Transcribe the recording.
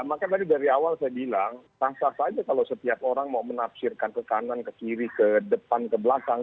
maka tadi dari awal saya bilang sah sah saja kalau setiap orang mau menafsirkan ke kanan ke kiri ke depan ke belakang